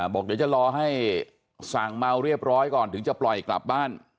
บอกเดี๋ยวจะรอให้สั่งเมาเรียบร้อยก่อนถึงจะปล่อยกลับบ้าน